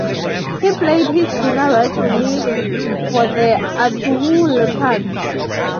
He played his junior rugby league for the Otahuhu Leopards.